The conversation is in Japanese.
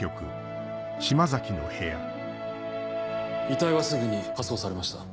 遺体はすぐに火葬されました。